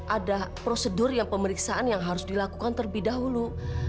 ada prosedur yang pemeriksaan yang harus dilakukan terlebih dahulu